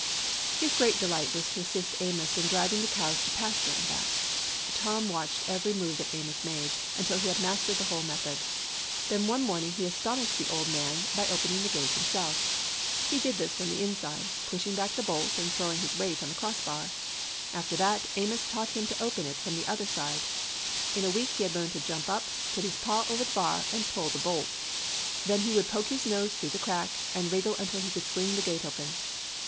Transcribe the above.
His great delight was to assist Amos in driving the cows to pasture and back. Tom watched every move that Amos made, until he had mastered the whole method. Then one morning he astonished the old man by opening a gate himself. He did this from the inside, pushing back the bolt, and throwing his weight on the cross bar. After that Amos taught him to open it from the other side. In a week he had learned to jump up, put his paw over the bar, and pull the bolt. Then he would poke his nose through the crack, and wriggle until he could swing the gate open.